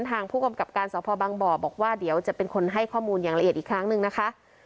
ทางผู้กำกับการสพบังบ่อบอกว่าเดี๋ยวจะเป็นคนให้ข้อมูลอย่างละเอียดอีกครั้งหนึ่งนะคะ